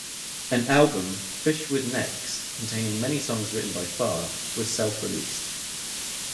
An album, "Fish With Necks", containing mainly songs written by Farr, was self-released.